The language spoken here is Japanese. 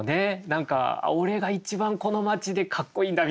何か「俺が一番この町でかっこいいんだ！」